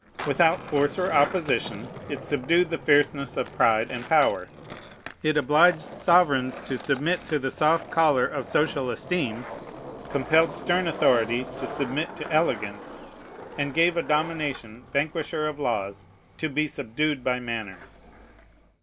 Without force or opposition, it subdued the fierceness of pride and power; it obliged sovereigns to submit to the soft collar of social esteem, compelled stern authority to submit to elegance, and gave a domination, vanquisher of laws, to be subdued by manners.